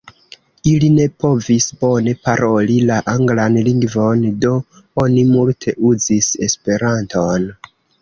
Ili ne povis bone paroli la anglan lingvon, do oni multe uzis Esperanton.